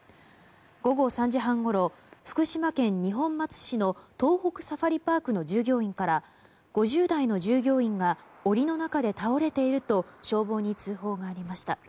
午後３時半ごろ福島県二本松市の東北サファリパークの従業員から５０代の従業員が檻の中で倒れていると消防に通報がありました。